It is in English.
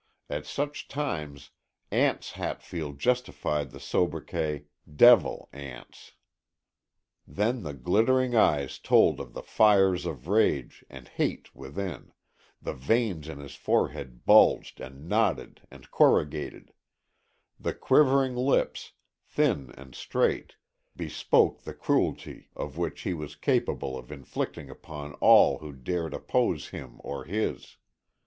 At such times Anse Hatfield justified the sobriquet "Devil" Anse. Then the glittering eyes told of the fires of rage and hate within, the veins in his forehead bulged and knotted and corrugated; the quivering lips, thin and straight, bespoke the cruelty of which he was capable of inflicting upon all who dared oppose him or his.